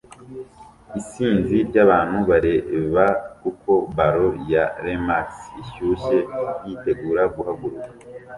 Isinzi ryabantu bareba uko ballon ya Remax ishyushye yitegura guhaguruka